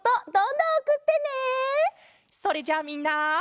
それじゃあみんな。